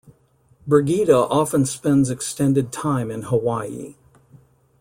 Bregeda often spends extended time in Hawaii.